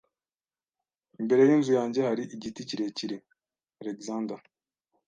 Imbere yinzu yanjye hari igiti kirekire. (al_ex_an_der)